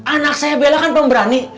anak saya bela kan pemberani